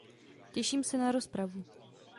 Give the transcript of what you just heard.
Těším se na rozpravu.